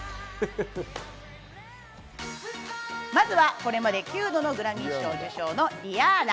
まずはこれまで９度のグラミー賞受賞のリアーナ。